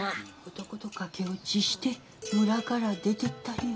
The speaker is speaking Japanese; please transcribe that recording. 男と駆け落ちして村から出ていったんよ。